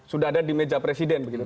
sudah ada di meja presiden begitu